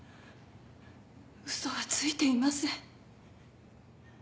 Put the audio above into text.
嘘はついていません。